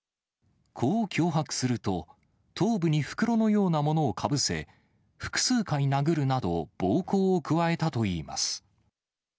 こう脅迫すると、頭部に袋のようなものをかぶせ、複数回殴るなど、暴行を加えたといいます。